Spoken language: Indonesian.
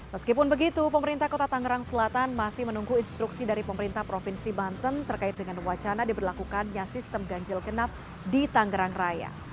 meskipun begitu pemerintah kota tangerang selatan masih menunggu instruksi dari pemerintah provinsi banten terkait dengan wacana diberlakukannya sistem ganjil genap di tangerang raya